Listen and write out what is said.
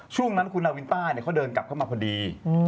ช่วงนั้นคุณนาวินต้าเขาเดินกลับเข้ามาพอดี